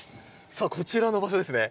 さあこちらの場所ですね